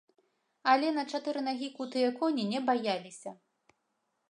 Але на чатыры нагі кутыя коні не баяліся.